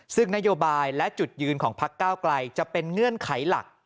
ซึ่งนโยบายและจุดยืนของพักก้าวไกลจะเป็นเงื่อนไขหลัก